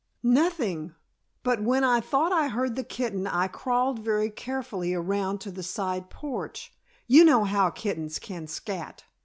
"Nothing. But when I thought I heard the kitten I crawled very carefully around to the side porch. You know how kittens can scat.